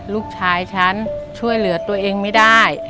ลูกชายฉันช่วยเหลือตัวเองไม่ได้